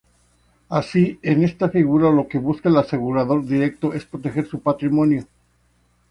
Así, en esta figura lo que busca el asegurador directo es proteger su patrimonio.